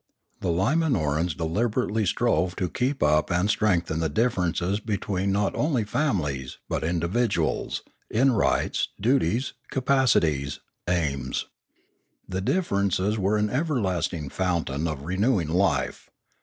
The Iyimanorans deliberately strove to keep up and strengthen the differences between not only families, but individuals, in rights, duties, capacities, aims. The differences were an everlasting fountain of renewing life.